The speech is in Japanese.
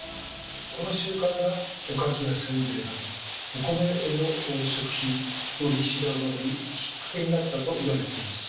この習慣がおかきやせんべいなどお米の食品の歴史が生まれるきっかけになったと言われています。